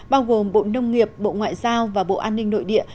bao gồm bộ nông nghiệp bộ ngoại giao và bộ an ninh nội địa